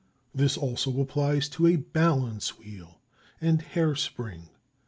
This also applies to a balance wheel, and hair spring.